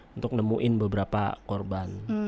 untuk nemuin beberapa korban